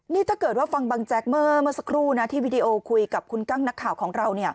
นี่ถ้าเกิดว่าฟังบังแจ๊กเมื่อสักครู่นะที่วิดีโอคุยกับคุณกั้งนักข่าวของเรา